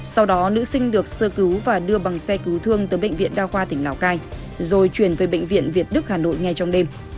sau đó nữ sinh được sơ cứu và đưa bằng xe cứu thương tới bệnh viện đa khoa tỉnh lào cai rồi chuyển về bệnh viện việt đức hà nội ngay trong đêm